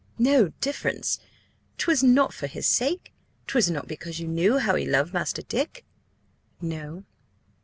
"No difference? 'Twas not for his sake? 'Twas not because you knew how he loved Master Dick?" "No."